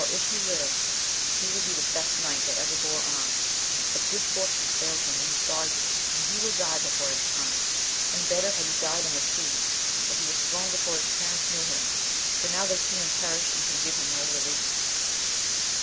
\i^\\N^\!va^^^Vi^ t^Q AMADIS OF GAUL, 93 best knight that ever bore arms, but good fortune failed him when he saw you, and he will die before his time ; and better had he died in the sea, where he was thrown before his parents knew him, for now they see him perish, and can give him no rehef.